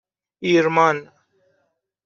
ایرمان